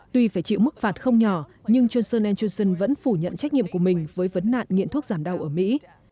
tuy phải chịu mức phạt không nhỏ nhưng johnson johnson vẫn phủ nhận trách nhiệm của mình với vấn nạn nghiện thuốc giảm đau ở mỹ